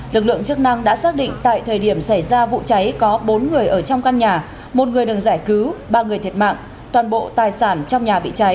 lực lượng chức năng đã xác định tại thời điểm xảy ra vụ cháy có bốn người ở trong căn nhà một người được giải cứu ba người thiệt mạng toàn bộ tài sản trong nhà bị cháy